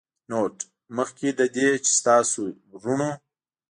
نوټ: مخکې له دې چې ستاسې وروڼو